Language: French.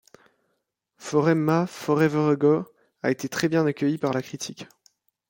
For Emma, Forever Ago a été très bien accueilli par la critique.